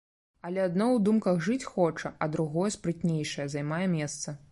Але адно ў думках жыць хоча, а другое, спрытнейшае, займае месца.